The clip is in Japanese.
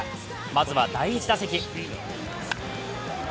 まずは第１打席。